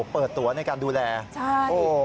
เปิดตัวในการดูแลใช่โอ้